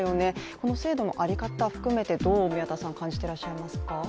この制度の在り方を含めてどう感じていらっしゃいますか？